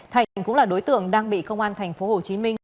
thạnh cũng là đối tượng đang bị công an thành phố hồ chí minh